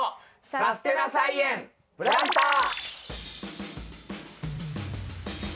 「さすてな菜園プランター」。